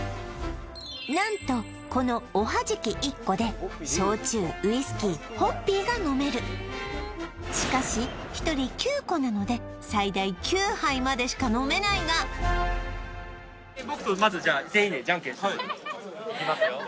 何とこのおはじき１個で焼酎ウイスキーホッピーが飲めるしかし１人９個なので最大９杯までしか飲めないがまずじゃあ全員でいきますよ